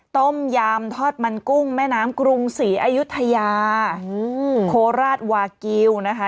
ต้มยำทอดมันกุ้งแม่น้ำกรุงศรีอายุทยาโคราชวากิลนะคะ